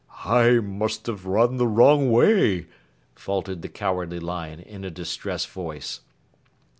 "I must have run the wrong way," faltered the Cowardly Lion in a distressed voice.